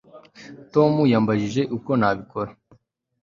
Tom yambajije uko nabikora